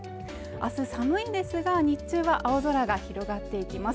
朝寒いですが日中は青空が広がっていきます